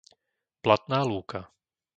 Blatná lúka